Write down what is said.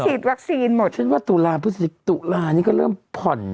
ถ้าถูกติดวัคซีนหมดฉันว่าตุลาพฤษฐกิจตุลานี่ก็เริ่มผ่อน